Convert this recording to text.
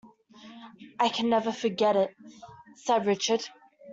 "I can never forget it," said Richard.